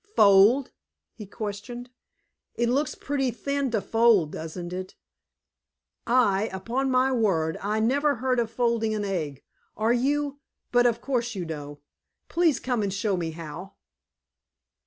"Fold?" he questioned. "It looks pretty thin to fold, doesn't it? I upon my word, I never heard of folding an egg. Are you but of course you know. Please come and show me how."